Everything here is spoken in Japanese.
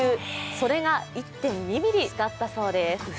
それが１．２ｍｍだったそうです。